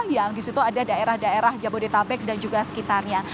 yang di situ ada daerah daerah jabodetabek dan juga sekitarnya